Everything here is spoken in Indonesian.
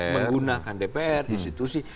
menggunakan dpr institusi